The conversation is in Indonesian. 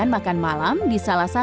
ya kaya mau jadikan dapet